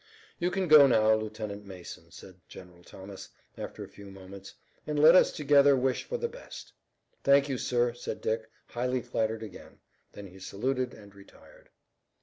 "You can go now, Lieutenant Mason," said General Thomas, after a few moments, "and let us together wish for the best." "Thank you, sir," said Dick, highly flattered again. Then he saluted and retired.